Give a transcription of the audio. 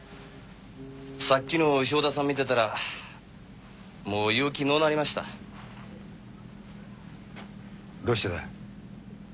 さっきの潮田さん見てたらもう言う気のうなりましたどうしてだい？